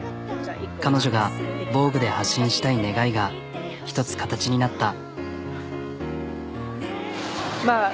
彼女が「ＶＯＧＵＥ」で発信したい願いが一つ形になった。